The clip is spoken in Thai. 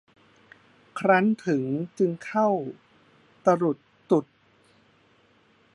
ครั้นถึงจึงเข้าตะหลุดตุด